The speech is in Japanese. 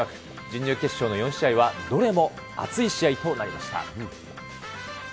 準々決勝の４試合はどれも熱い試合となりました。